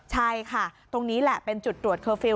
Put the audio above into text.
ใช่ค่ะตรงนี้แหละเป็นจุดตรวจเคอร์ฟิลล